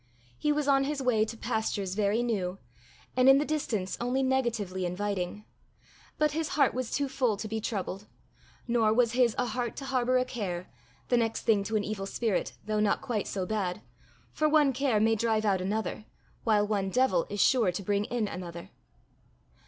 He was on his way to pastures very new, and in the distance only negatively inviting. But his heart was too full to be troubled nor was his a heart to harbour a care, the next thing to an evil spirit, though not quite so bad; for one care may drive out another, while one devil is sure to bring in another.